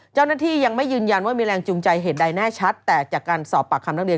เจ้าหน้าที่ยังไม่ยืนยันว่ามีแรงจูงใจเหตุใดแน่ชัดแต่จากการสอบปากคำนักเรียน